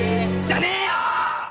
じゃねえよ‼